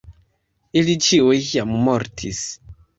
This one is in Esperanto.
Ili ĉiuj jam mortis.